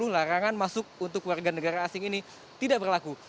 larangan masuk untuk warga negara asing ini tidak berlaku